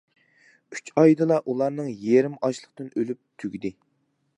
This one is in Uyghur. ئۈچ ئايدىلا ئۇلارنىڭ يېرىمى ئاچلىقتىن ئۆلۈپ تۈگىدى.